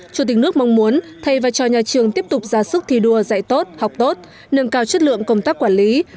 chủ tịch nước mong muốn thầy và cho nhà trường tiếp tục ra sức thi đua dạy tốt học tốt nâng cao chất lượng công tác quản lý